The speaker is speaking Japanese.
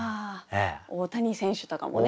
大谷選手とかもね。